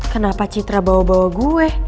kenapa citra bawa bawa gue